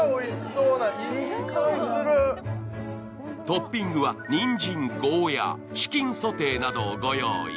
トッピングはにんじん、ゴーヤ、チキンソテーなどをご用意。